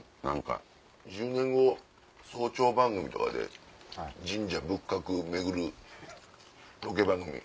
１０年後早朝番組とかで神社仏閣を巡るロケ番組。